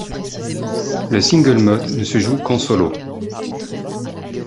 Le Single mode ne se joue qu’en solo.